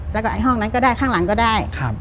แล้วก็ห้องนั้นก็ได้ข้างหลังก็ได้